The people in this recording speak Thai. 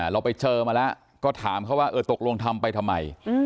เราไปเจอมาแล้วก็ถามเขาว่าเออตกลงทำไปทำไม